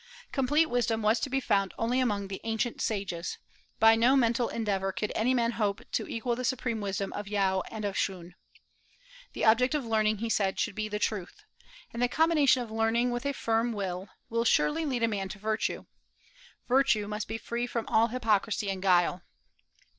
Complete wisdom was to be found only among the ancient sages; by no mental endeavor could any man hope to equal the supreme wisdom of Yaou and of Shun. The object of learning, he said, should be truth; and the combination of learning with a firm will, will surely lead a man to virtue. Virtue must be free from all hypocrisy and guile.